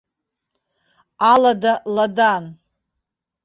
Алада ладан.